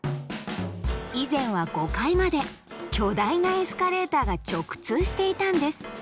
以前は５階まで巨大なエスカレーターが直通していたんです。